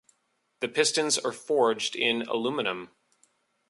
The pistons are forged aluminum.